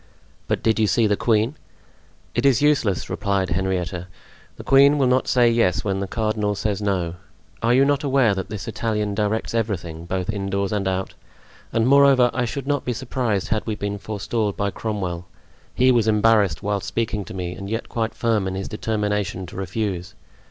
"But did you see the queen?" "It is useless," replied Henrietta, "the queen will not say yes when the cardinal says no. Are you not aware that this Italian directs everything, both indoors and out? And moreover, I should not be surprised had we been forestalled by Cromwell. He was embarrassed whilst speaking to me and yet quite firm in his determination to refuse.